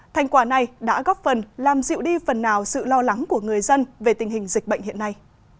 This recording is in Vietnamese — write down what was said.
thành quả này đã góp phần làm dịu đi phần nào sự lo lắng của người dân về tình hình dịch bệnh hiện nay